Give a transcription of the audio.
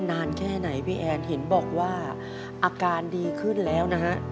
นานแค่ไหนพี่แอนเห็นบอกว่าอาการดีขึ้นแล้วนะฮะ